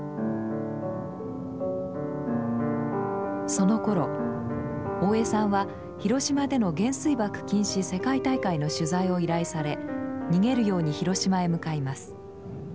そのころ大江さんは広島での原水爆禁止世界大会の取材を依頼され逃げるように広島へ向かいます。